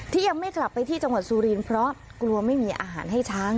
ยังไม่กลับไปที่จังหวัดสุรินทร์เพราะกลัวไม่มีอาหารให้ช้าง